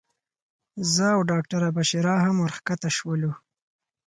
زه او ډاکټره بشرا هم ورښکته شولو.